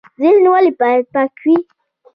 ذهن ولې باید پاک وي؟